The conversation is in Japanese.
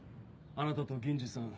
あなたと銀次さん。